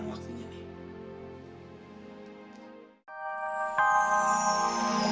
gak ada apa apa